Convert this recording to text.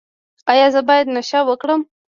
ایا زه باید نشه وکړم؟